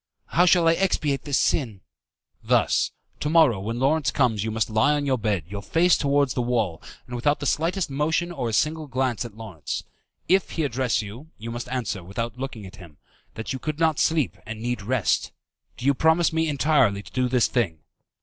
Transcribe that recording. "How shall I expiate this sin?" "Thus. To morrow, when Lawrence comes, you must lie on your bed, your face towards the wall, and without the slightest motion or a single glance at Lawrence. If he address you, you must answer, without looking at him, that you could not sleep, and need rest. Do you promise me entirely to do this thing?"